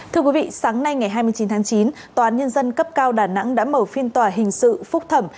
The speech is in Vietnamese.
thưa quý vị sáng nay ngày hai mươi chín tháng chín tòa án nhân dân cấp cao đà nẵng đã mở phiên tòa hình sự phúc thẩm